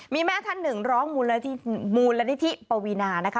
มีแม่ท่านหนึ่งร้องมูลนิธิปวีนานะคะ